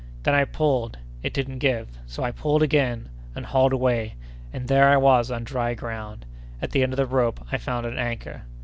When I pulled, it didn't give; so I pulled again and hauled away and there I was on dry ground! At the end of the rope, I found an anchor!